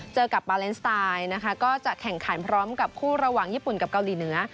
เจอกับปาเลนสไตล์นะคะก็จะแข่งขันพร้อมกับคู่ระหว่างญี่ปุ่นกับเกาหลีเหนือ